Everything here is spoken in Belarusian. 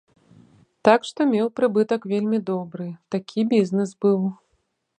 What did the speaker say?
Так што меў прыбытак вельмі добры, такі бізнес быў.